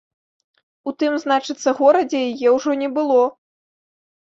У тым, значыцца, горадзе яе ўжо не было.